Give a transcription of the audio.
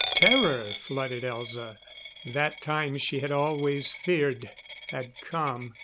Terror flooded Elza; that time she had always feared, had come.